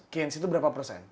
keyence itu berapa persen